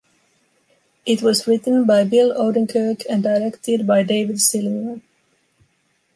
It was written by Bill Odenkirk and directed by David Silverman.